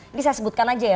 ini saya sebutkan aja ya